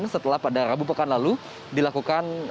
setelah pada rabu pekan lalu dilakukan